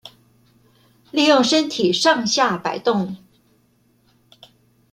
利用身體上下矲動